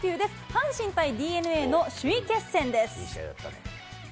阪神対ＤｅＮＡの首位決戦です。